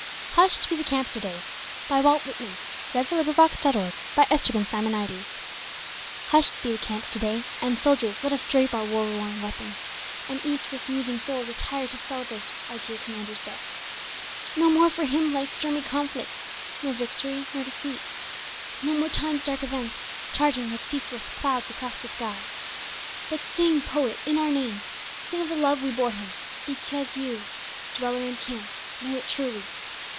t your children en masse really are?) Walt Whitman (1865) Hush'd Be the Camps Today May 4, 1865 HUSH'D be the camps today, And soldiers let us drape our war worn weapons, And each with musing soul retire to celebrate, Our dear commander's death. No more for him life's stormy conflicts, Nor victory, nor defeat no more time's dark events, Charging like ceaseless clouds across the sky. But sing poet in our name, Sing of the love we bore him because you, dweller in camps, know it truly.